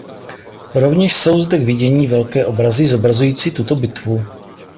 Rovněž jsou zde k vidění velké obrazy zobrazující tuto bitvu.